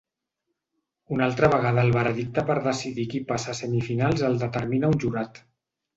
Una altra vegada el veredicte per decidir qui passa a semifinals el determina un jurat.